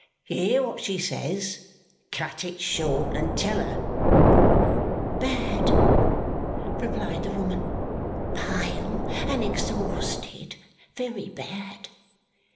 "You hear what she says. Cut it short and tell her." "Bad," replied the woman. "Pale and exhausted. Very bad."